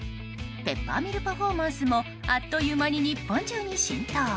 ペッパーミルパフォーマンスもあっという間に日本中に浸透。